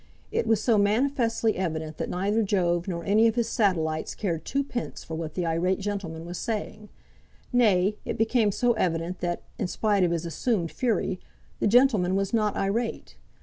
It was so manifestly evident that neither Jove nor any of his satellites cared twopence for what the irate gentleman was saying; nay, it became so evident that, in spite of his assumed fury, the gentleman was not irate.